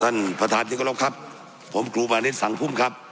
ท่านประธานจริงกรมครับผมกลุมานิสสังภูมิครับ